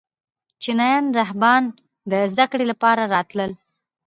چینایي راهبان د زده کړې لپاره راتلل